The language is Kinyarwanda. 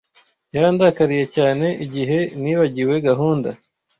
Yarandakariye cyane igihe nibagiwe gahunda.